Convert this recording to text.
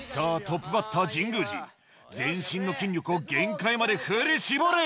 トップバッター全身の筋力を限界まで振り絞れ！